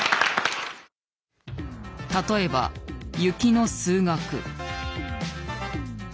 例えば「雪の数学」。